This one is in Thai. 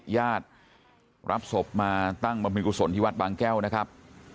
ญาติรับศพมาตั้งบรรพิกุศลที่วัดบางแก้วนะครับ